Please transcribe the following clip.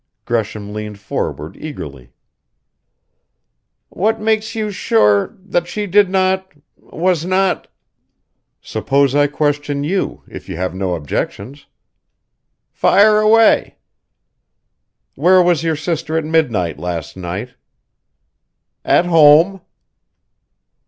Gresham leaned forward eagerly. "What makes you sure that she did not was not " "Suppose I question you if you have no objections." "Fire away." "Where was your sister at midnight last night?" "At home."